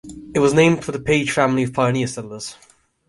It was named for the Page family of pioneer settlers.